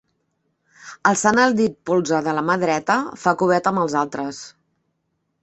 Alçant el dit polze de la mà dreta, fa coveta amb els altres.